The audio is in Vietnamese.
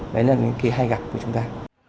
đấy là những cái hay gặp của chúng ta